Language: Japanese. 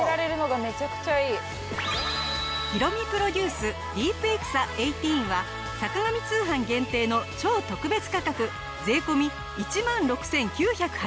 ヒロミプロデュースディープエクサ１８は『坂上通販』限定の超特別価格税込１万６９８０円。